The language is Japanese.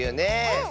うん。